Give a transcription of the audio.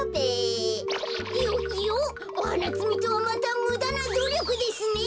いよいよおはなつみとはまたむだなどりょくですね。